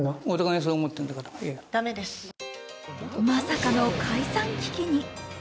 まさかの解散危機に。